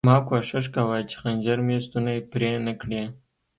ما کوښښ کاوه چې خنجر مې ستونی پرې نه کړي